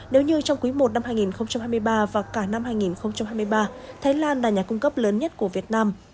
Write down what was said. nếu như trong quý i năm hai nghìn hai mươi ba và cả năm hai nghìn hai mươi ba thái lan là nhà cung cấp lớn nhất của việt nam